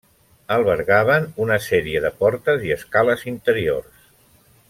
Albergaven una sèrie de portes i escales interiors.